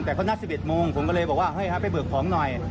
แต่เขานัด๑๑โมงผมก็เลยบอกว่าเฮ้ยครับไปเบิกของหน่อย